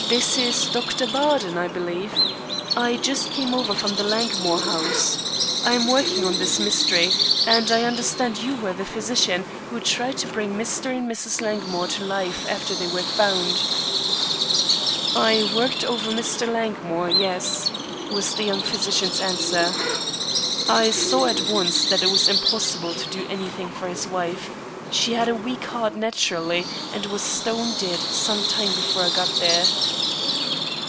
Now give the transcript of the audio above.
"This is Doctor Bardon, I believe. I just came over from the Langmore house. I am working on this mystery, and I understand you were the physician who tried to bring Mr. and Mrs. Langmore to life after they were found." "I worked over Mr. Langmore, yes," was the young physician's answer. "I saw at once that it was impossible to do anything for his wife. She had a weak heart naturally, and was stone dead some time before I got there."